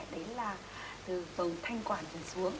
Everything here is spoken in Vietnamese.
đấy là từ phần thanh quản trở xuống